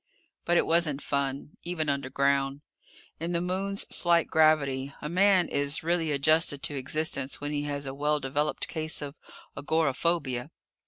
But it wasn't fun, even underground. In the Moon's slight gravity, a man is really adjusted to existence when he has a well developed case of agoraphobia.